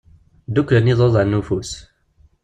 Dduklen yiḍudan n ufus.